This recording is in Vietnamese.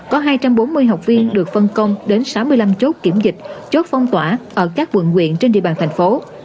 có hai trăm bốn mươi học viên được phân công đến sáu mươi năm chốt kiểm dịch chốt phong tỏa ở các quận quyện trên địa bàn thành phố